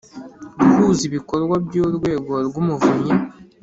guhuza ibikorwa by’urwego rw’umuvunyi.